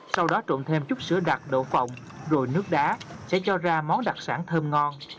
sau đó trộn thêm chút sữa đặc độ phòng rồi nước đá sẽ cho ra món đặc sản thơm ngon